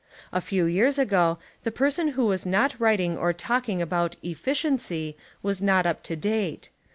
^ A few j'ears ago the person who was not writing or talking about "efficiency" was not up to date.